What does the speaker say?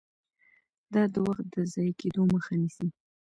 دا د وخت د ضایع کیدو مخه نیسي.